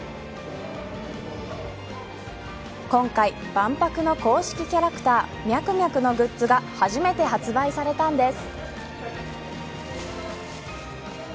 今回、万博の公式キャラクターミャクミャクのグッズが初めて販売されたんです。